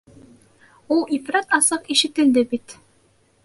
Ул ифрат асыҡ ишетелде бит...